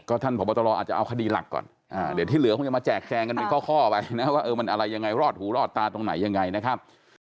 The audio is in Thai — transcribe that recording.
ท่านผอบตรอาจจะเอาคดีหลักก่อนเดี๋ยวที่เหลือคงจะมาแจกแจงกันเป็นข้อไปนะว่าเออมันอะไรยังไงรอดหูรอดตาตรงไหนยังไงนะครับ